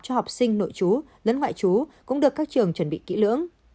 cho học sinh nội chú lớn ngoại chú cũng được các trường chuẩn bị kỹ lưỡng